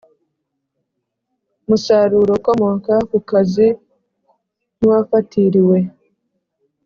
musaruro ukomoka ku kazi n uwafatiriwe